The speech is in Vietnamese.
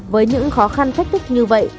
với những khó khăn thách thức như vậy